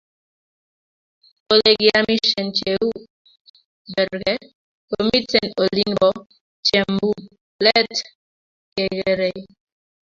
olegiamishen cheu Berke chemiten olin bo chembulet kegeerei